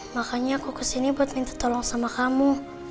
makanya aku kesini buat minta tolong sama kamu